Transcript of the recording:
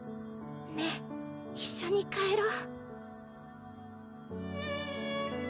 ねっ一緒に帰ろう？